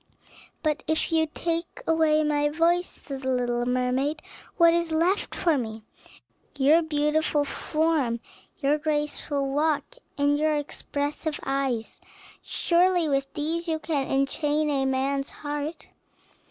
"But if you take away my voice," said the little mermaid, "what is left for me?" "Your beautiful form, your graceful walk, and your expressive eyes; surely with these you can enchain a man's heart.